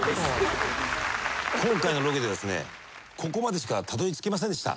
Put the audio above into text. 今回のロケではここまでしかたどりつけませんでした。